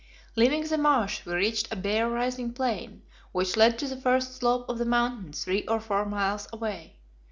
Leaving the marsh, we reached a bare, rising plain, which led to the first slope of the Mountain three or four miles away.